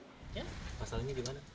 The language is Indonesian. ya masalahnya gimana